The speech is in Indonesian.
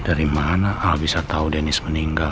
dari mana al bisa tau denis meninggal